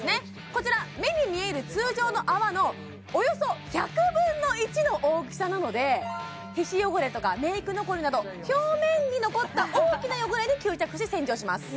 こちら目に見える通常の泡のおよそ１００分の１の大きさなので皮脂汚れとかメイク残りなど表面に残った大きな汚れに吸着し洗浄します